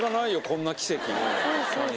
こんな奇跡そう